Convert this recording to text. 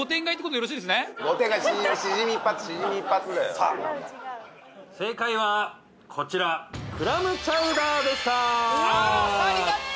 そんなもん正解はこちらクラムチャウダーでした